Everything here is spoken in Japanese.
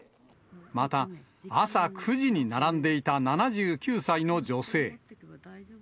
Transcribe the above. また朝９時に並んでいた７９歳の女性。